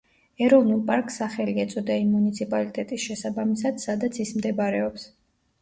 ეროვნულ პარკს სახელი ეწოდა იმ მუნიციპალიტეტის შესაბამისად, სადაც ის მდებარეობს.